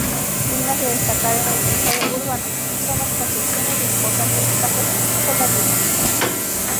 Dignas de destacar en el trazado urbano son las construcciones de importantes casas solariegas.